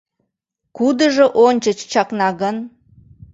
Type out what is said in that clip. Кудыжо ончыч чакна гын?